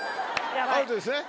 アウトですね。